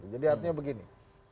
jadi artinya begini